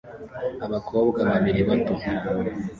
Abakobwa babiri bato